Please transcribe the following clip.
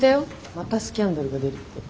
またスキャンダルが出るって。